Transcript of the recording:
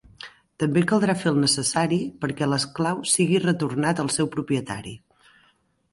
També caldrà fer el necessari perquè l'esclau sigui retornat al seu propietari.